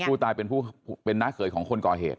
ผู้ตายเป็นน้าเขยของคนก่อเหตุ